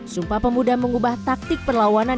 sumpah pemuda mengubah taktik perlawanan